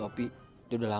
aduh aduh aduh aduh